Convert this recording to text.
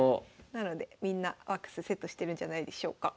なのでみんなワックスセットしてるんじゃないでしょうか。